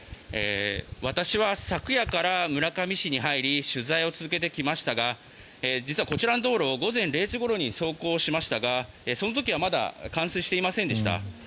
私は昨夜から村上市に入り取材を続けてきましたが実は、こちらの道路午前０時ごろに走行しましたがその時はまだ冠水していませんでした。